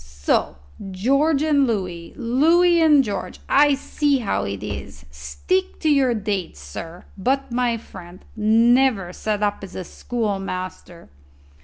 "So George and Louis Louis and George. I see how it is. Stick to your dates, sir. But, my friend, never set up as a schoolmaster."